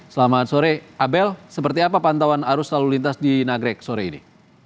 selamat sore abel seperti apa pantauan arus lalu lintas di nagrek sore ini